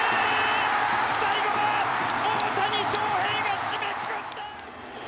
最後は大谷翔平が締めくくった！